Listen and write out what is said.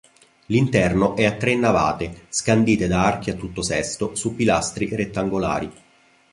L'interno è a tre navate, scandite da archi a tutto sesto su pilastri rettangolari.